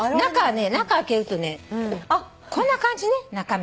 中開けるとねこんな感じね中身。